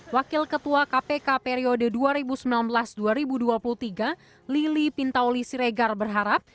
wakil ketua kpk periode dua ribu sembilan belas dua ribu dua puluh tiga lili pintauli siregar berharap